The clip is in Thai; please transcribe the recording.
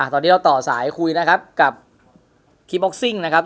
ตอนนี้เราต่อสายคุยกับคลิปบ็อกซิ่งนะครับ